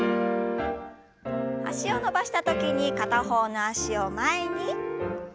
脚を伸ばした時に片方の脚を前に。